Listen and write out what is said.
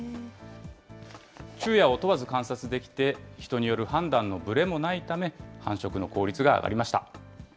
昼夜を問わず観察できて、人による判断のぶれもないため、繁殖の効率が上がりました。